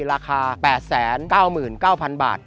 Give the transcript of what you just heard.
ราคา๘๙๙๐๐บาท